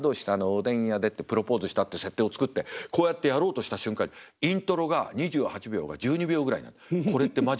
下のおでん屋で」ってプロポーズをしたって設定を作ってこうやってやろうとした瞬間にイントロが２８秒が１２秒ぐらいになった。